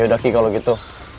yaudah ki kalau gitu